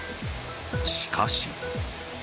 しかし。